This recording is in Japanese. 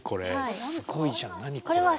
すごいじゃん何これ。